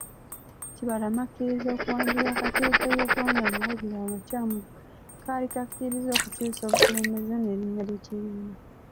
Kibalama akkiriza okuwa akakiiko k'ebyokulonda amawulire amakyamu bwe kaali kakkiriza okukyusa obukulembeze n'erinnya ly'ekibiina.